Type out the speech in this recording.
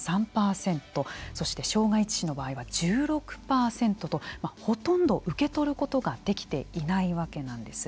そして傷害致死の場合は１６％とほとんど受け取ることができていないわけなんです。